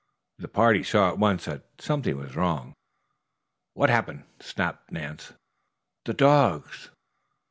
The party saw at once that something was wrong. "What's happened?" snapped Nance. "The dogs."